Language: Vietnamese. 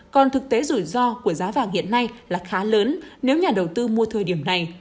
còn thực tế rủi ro của giá vàng hiện nay là khá lớn nếu nhà đầu tư mua thời điểm này